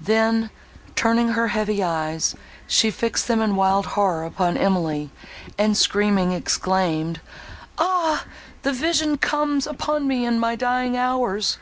Then, turning her heavy eyes, she fixed them, in wild horror, upon Emily, and, screaming, exclaimed, "Ah! that vision comes upon me in my dying hours!"